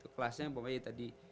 kelasnya yang pokoknya tadi